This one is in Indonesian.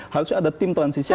harusnya ada tim transisi